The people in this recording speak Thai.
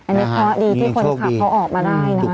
อันนี้เบาะดีที่คนขับเขาออกมาได้นะครับ